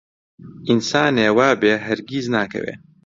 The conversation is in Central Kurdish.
ئینسانێ وابێ هەرگیز ناکەوێ